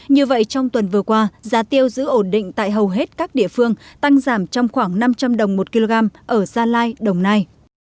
như vậy trong tuần vừa qua giá tiêu giữ ổn định tại hầu hết các địa phương tăng giảm trong khoảng năm trăm linh đồng một kg ở gia lai đồng nai